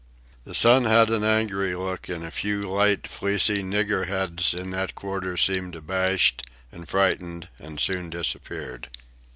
The sun had an angry look, and a few light, fleecy "nigger heads" in that quarter seemed abashed and frightened and soon disappeared.